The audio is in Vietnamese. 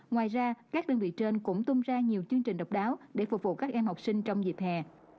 ngoài ra các đơn vị trên cũng tung ra nhiều chương trình độc đáo để phục vụ các em học sinh trong dịp hè